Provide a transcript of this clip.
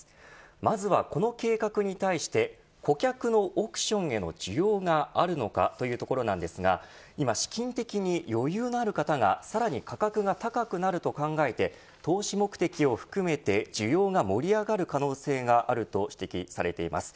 まずは、この計画に対して顧客の億ションへの需要があるのかというところなんですが今、資金的に余裕のある方がさらに価格が高くなると考えて投資目的を含めて需要が盛り上がる可能性があると指摘されています。